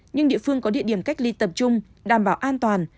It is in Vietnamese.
nhưng địa phương có địa điểm cách ly tập trung đảm bảo an toàn